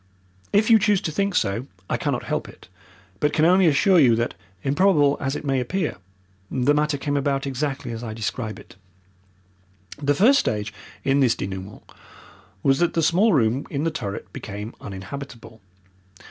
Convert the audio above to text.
If you choose to think so I cannot help it, but can only assure you that, improbable as it may appear, the matter came about exactly as I describe it. The first stage in this denouement was that the small room in the turret became uninhabitable.